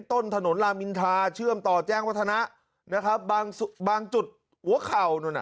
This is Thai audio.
ต้นถนนลามินทราเชื่อมต่อแจ้งวัฒนะนะครับบางบางจุดหัวเข่านู่นน่ะ